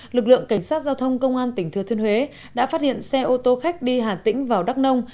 lực lượng cảnh sát giao thông công an tỉnh thừa thiên huế đã phát hiện xe ô tô khách đi hà tĩnh vào đắk nông